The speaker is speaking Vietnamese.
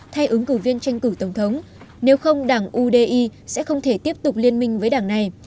thay ứng cử viên tranh cử tổng thống nếu không đảng udi sẽ không thể tiếp tục liên minh với đảng này